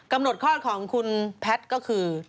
กำหนดคลอดของคุณแพทย์ก็คือ